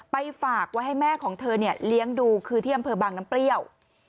ฝากไว้ให้แม่ของเธอเลี้ยงดูคือที่อำเภอบางน้ำเปรี้ยว